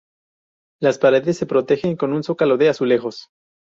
Las paredes se protegen con un zócalo de azulejos.